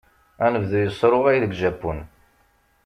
Anebdu yesruɣay deg Japun.